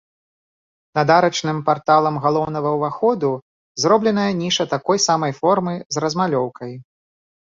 Над арачным парталам галоўнага ўваходу зробленая ніша такой самай формы з размалёўкай.